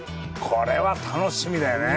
これは楽しみだよね！